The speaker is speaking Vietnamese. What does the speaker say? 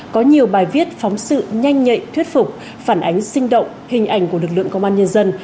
có nhiều bài viết phóng sự nhanh nhạy thuyết phục phản ánh sinh động hình ảnh của lực lượng công an nhân dân